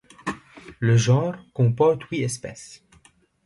Le genre comporte huit espèces.